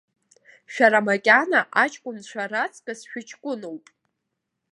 Шәара макьана аҷкәынцәа раҵкыс шәыҷкәыноуп.